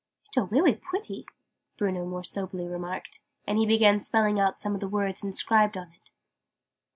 "It are welly pretty," Bruno more soberly remarked: and he began spelling out some words inscribed on it.